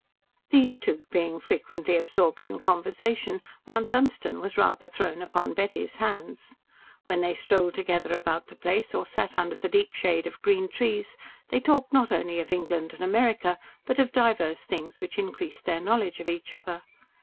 These two being frequently absorbed in conversation, Mount Dunstan was rather thrown upon Betty's hands. When they strolled together about the place or sat under the deep shade of green trees, they talked not only of England and America, but of divers things which increased their knowledge of each other.